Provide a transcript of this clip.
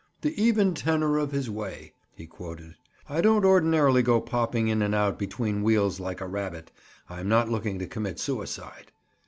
"The 'even tenor of his way,'" he quoted. "I don't ordinarily go popping in and out between wheels like a rabbit. I'm not looking to commit suicide."